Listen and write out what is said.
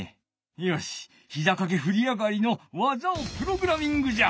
よしひざかけふりあがりの技をプログラミングじゃ！